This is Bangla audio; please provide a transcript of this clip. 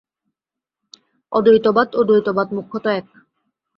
অদ্বৈতবাদ ও দ্বৈতবাদ মুখ্যত এক।